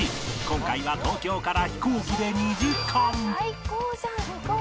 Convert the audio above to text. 今回は東京から飛行機で２時間